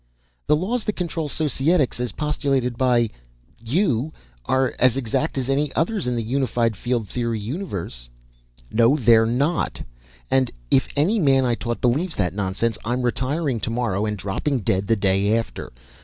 "The laws that control Societics, as postulated by ... you, are as exact as any others in the unified field theory universe." "No they're not. And, if any man I taught believes that nonsense, I'm retiring tomorrow and dropping dead the day after.